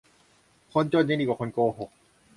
คนจนยังดีกว่าคนโกหก